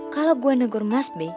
kalau gua negur mas b